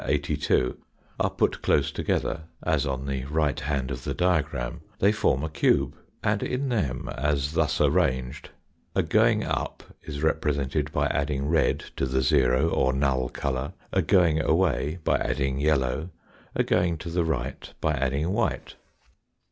82, are put close together, as on the right hand of the diagram, they form a cube, and in them, as thus arranged, a going up is represented by adding red to the zero, or null colour, a going away by adding yellow, a going to the right by adding white.